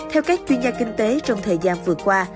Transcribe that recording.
theo các chuyên gia kinh tế trong thời gian vừa qua